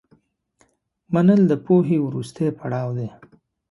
منل د پوهې وروستی پړاو دی.